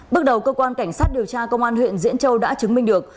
bước đầu cơ quan cảnh sát điều tra công an huyện diễn châu đã chứng minh được